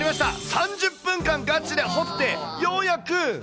３０分間ガチで掘って、ようやく。